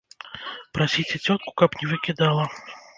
Прасіце цётку, каб не выкідала.